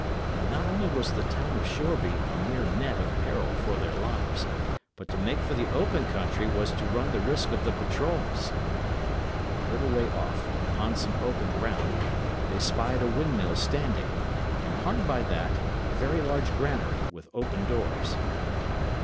And not only was the town of Shoreby a mere net of peril for their lives, but to make for the open country was to run the risk of the patrols. A little way off, upon some open ground, they spied a windmill standing; and hard by that, a very large granary with open doors.